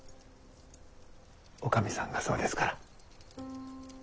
女将さんがそうですから。